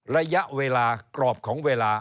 ระยะเวลากรอบของเวลา